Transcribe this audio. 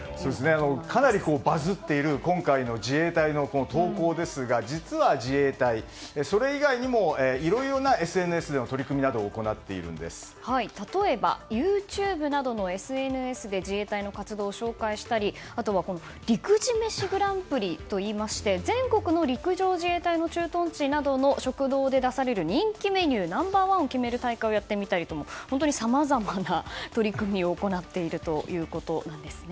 かなりバズっている今回の自衛隊の投稿ですが実は自衛隊、それ以外にもいろいろなＳＮＳの例えば、ＹｏｕＴｕｂｅなどのＳＮＳで自衛隊の活動を紹介したり陸自飯グランプリといいまして全国の陸上自衛隊の駐屯地などの食堂で出される人気メニューナンバー１を決める大会をやってみたりと本当にさまざまな取り組みを行っているんですね。